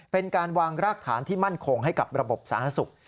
เป็นการวางรากฐานที่มั่นคงให้กับระบบสาธารณสุข